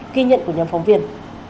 ghi nhận của nhóm phóng viên